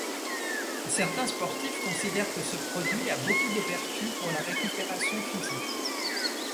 Certains sportifs considèrent que ce produit a beaucoup de vertus pour la récupération physique.